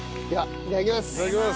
いただきます。